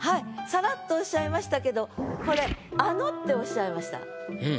さらっとおっしゃいましたけどこれ「あの」っておっしゃいました。